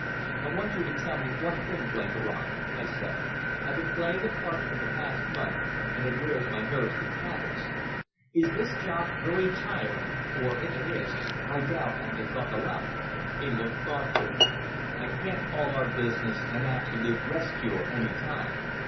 "I want you to tell me one thing, Blenkiron," I said. "I've been playing a part for the past month, and it wears my nerves to tatters. Is this job very tiring, for if it is, I doubt I may buckle up." He looked thoughtful. "I can't call our business an absolute rest cure any time.